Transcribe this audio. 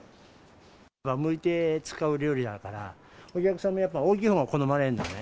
むいて使う料理だから、お客さんもやっぱ大きいほうが好まれるんだよね。